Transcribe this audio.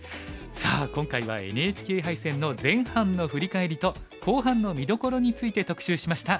さあ今回はＮＨＫ杯戦の前半の振り返りと後半の見どころについて特集しました。